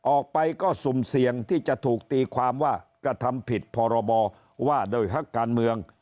ออกไปก็สุ่มเสี่ยงที่จะถูกตีความว่ากระทำผิดพรบว่าโดยพักการเมือง